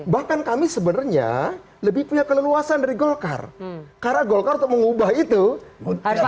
bahkan kami sebenarnya lebih punya keleluasan dari golkar karena golkar untuk mengubah itu